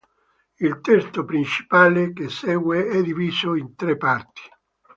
Il testo principale che segue è diviso in tre parti.